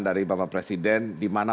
dari bapak presiden di mana